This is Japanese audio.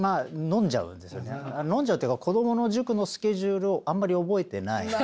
飲んじゃうっていうか子供の塾のスケジュールをあんまり覚えてないので。